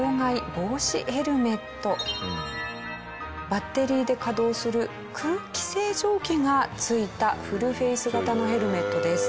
バッテリーで稼働する空気清浄機が付いたフルフェース形のヘルメットです。